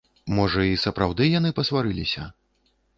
Можа, і сапраўды яны пасварыліся.